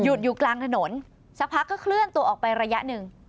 อยู่กลางถนนสักพักก็เคลื่อนตัวออกไประยะหนึ่ง